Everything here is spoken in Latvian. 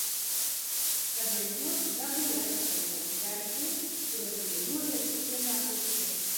Tad viens otrs dabūja atpakaļ savas vērtslietas – kuras tur bija nodevis ienākot še.